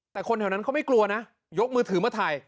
แต่คนแถวนั้นเขาไม่กลัวนะยกมือถือมาถ่าย